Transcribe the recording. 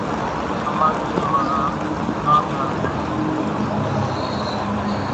ۿماۮيئين ماڻۿان ڳلاٻ نا ڳُل نِي پتِي لئِي زائي سي،